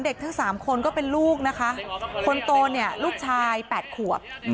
เด็กทั้ง๓คนก็เป็นลูกนะคะคนโตลูกชาย๘ขวบ